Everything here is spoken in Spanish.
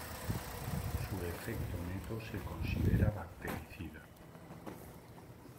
Su efecto neto se considera bactericida.